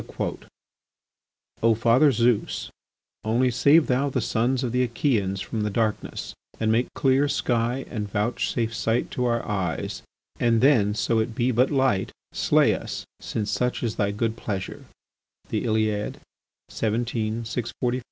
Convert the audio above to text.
O Father Zeus, only save thou the sons of the Acheans from the darkness, and make clear sky and vouchsafe sight to our eyes, and then, so it be but light, slay us, since such is thy good pleasure.